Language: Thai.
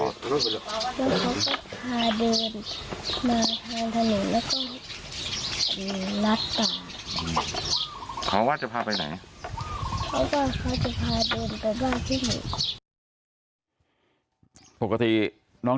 เขาว่าเขาจะพาเดินไปบ้านที่หนึ่ง